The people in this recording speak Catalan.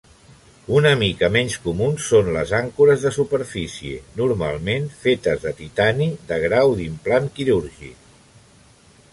Una mica menys comuns són les àncores de superfície, normalment fetes de titani de grau d'implant quirúrgic.